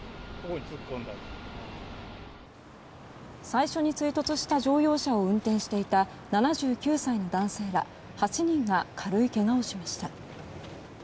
最初に追突した乗用車を運転していた７９歳の男性ら８人が軽いけがをしました。